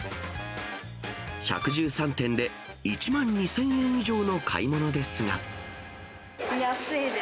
１１３点で１万２０００円以上の安いです。